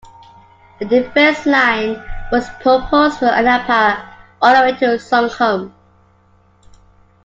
A defence line was proposed from Anapa all the way to Sukhum.